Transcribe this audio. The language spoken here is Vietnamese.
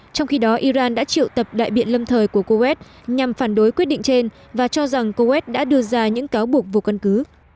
trong khi đó iran đã triệu tập đại biện lâm thời của kuwait nhằm phản đối quyết định trên và cho rằng coes đã đưa ra những cáo buộc vô căn cứ